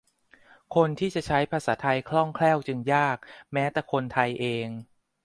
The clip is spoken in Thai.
คนที่จะใช้ภาษาไทยคล่องแคล่วจึงยาก แม้แต่คนไทยเอง